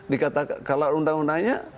dikatakan kalau undang undangnya